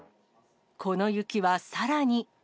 この雪はさらに。